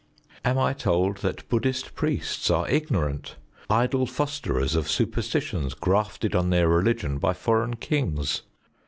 Am I told that Bud╠Żd╠Żhist priests are ignorant, idle fosterers of superstitions grafted on their religion by foreign kings?